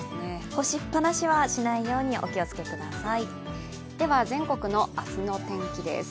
干しっぱなしはしないようにお気をつけください。